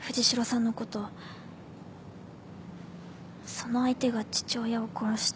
その相手が父親を殺した。